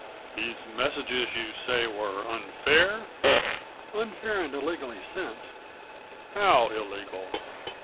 "These messages you say were unfair?" "Unfair and illegally sent." "How illegal?"